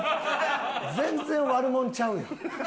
全然悪者ちゃうやん。